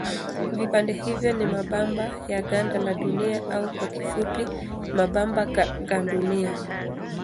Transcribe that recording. Vipande hivyo ni mabamba ya ganda la Dunia au kwa kifupi mabamba gandunia.